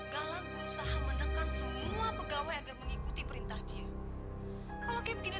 galak berusaha menekan semua pegawai agar mengikuti perintah dia kalau kayak begini